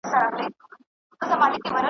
اوس دعا کوی یارانو تر منزله چي رسیږو .